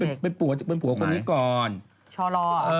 นึกออกไหมเป็นผัวคนนี้ก่อนช่อรอ